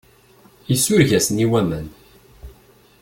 Isureg-asen i waman.